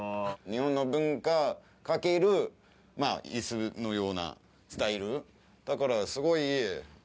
日本の文化かけるいすのようなスタイル、だからすごい。